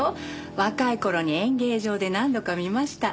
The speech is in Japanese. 若い頃に演芸場で何度か見ました。